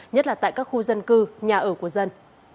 nhất là tại các khu dân cư nhà ở của dân